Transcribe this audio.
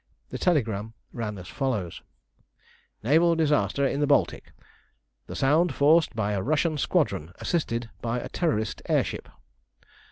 The telegram ran as follows: NAVAL DISASTER IN THE BALTIC. _The Sound forced by a Russian Squadron, assisted by a Terrorist Air Ship.